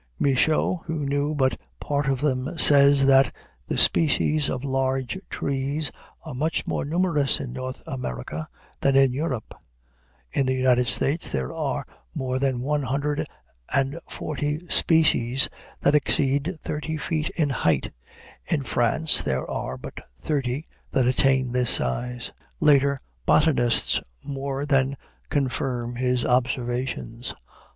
Michaux, who knew but part of them, says that "the species of large trees are much more numerous in North America than in Europe; in the United States there are more than one hundred and forty species that exceed thirty feet in height; in France there are but thirty that attain this size." Later botanists more than confirm his observations.